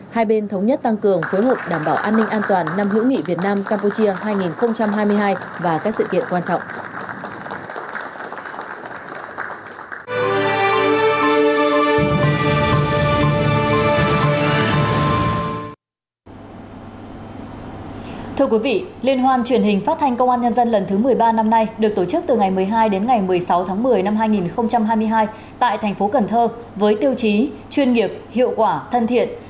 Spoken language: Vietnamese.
hai bên thống nhất tăng cường phối hợp đảm bảo an ninh an toàn năm hữu nghị việt nam campuchia hai nghìn hai mươi hai và các sự kiện quan trọng